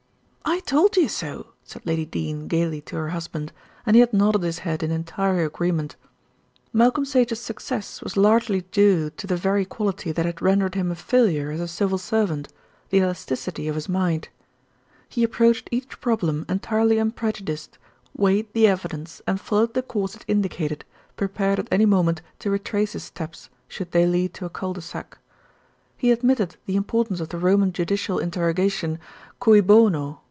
"I told you so," said Lady Dene gaily to her husband, and he had nodded his head in entire agreement. Malcolm Sage's success was largely due to the very quality that had rendered him a failure as a civil servant, the elasticity of his mind. He approached each problem entirely unprejudiced, weighed the evidence, and followed the course it indicated, prepared at any moment to retrace his steps, should they lead to a cul de sac. He admitted the importance of the Roman judicial interrogation, "cui bono?"